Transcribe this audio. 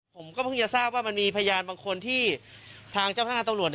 เดี๋ยวสื่อเข้าไปหาเขาเดี๋ยวผมว่ามันจะยุ่งเข้าไปใหญ่นะครับ